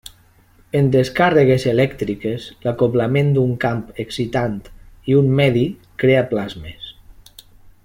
En descàrregues elèctriques, l'acoblament d'un camp excitant i un medi crea plasmes.